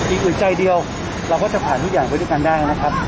อื่นใจเดียวเราก็จะผ่านทุกอย่างไปด้วยกันได้นะครับ